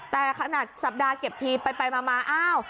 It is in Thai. แต่ขนาดสัปดาห์เก็บทีไปมาอ้าว